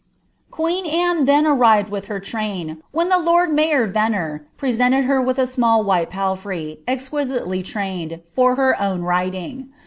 " Quren Anne then arrived with her train, when the lord mayor Venner preeenled her with a small white palfrey, exqnisiiely trained, far her omt riding.